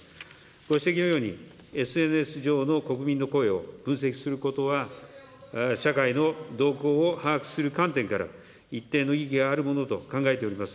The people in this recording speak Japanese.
ご指摘のように、ＳＮＳ上の国民の声を分析することは、社会の動向を把握する観点から、一定の意義があるものと考えております。